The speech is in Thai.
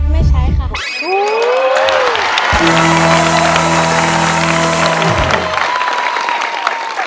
ไม่ใช้ค่ะ